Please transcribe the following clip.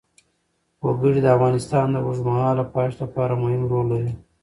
وګړي د افغانستان د اوږدمهاله پایښت لپاره مهم رول لري.